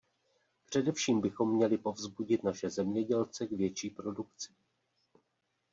Především bychom měli povzbudit naše zemědělce k větší produkci.